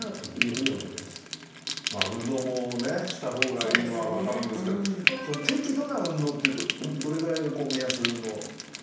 まあ運動もねしたほうがいいのは分かるんですけど適度な運動っていうとどれぐらいが目安の運動になりますか。